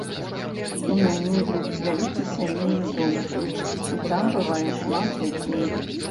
У мяне ёсць вялікі сямейны дом, і там бывае шмат дзяцей.